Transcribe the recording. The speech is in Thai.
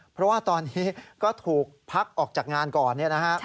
เพราะว่าตอนนี้ก็ถูกพักออกจากงานก่อน